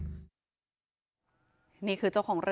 แต่คุณผู้ชมค่ะตำรวจก็ไม่ได้จบแค่ผู้หญิงสองคนนี้